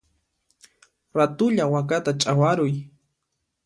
Ratulla wakata chawaruy!